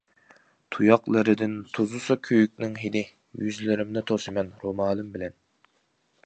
تۇياقلىرىدىن توزۇسا كۆيۈكنىڭ ھىدى، يۈزلىرىمنى توسىمەن رومالىم بىلەن.